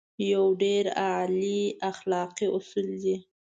يو ډېر اعلی اخلاقي اصول دی.